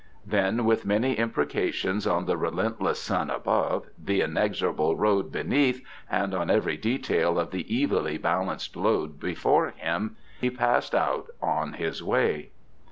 Then, with many imprecations on the relentless sun above, the inexorable road beneath, and on every detail of the evilly balanced load before him, he passed out on his way.